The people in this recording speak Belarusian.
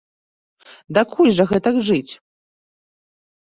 Дакуль жа гэтак жыць!